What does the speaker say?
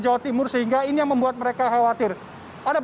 jadi mereka juga menunjukan untuk mengatb